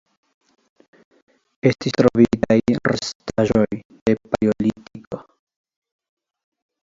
Estis trovitaj restaĵoj de Paleolitiko.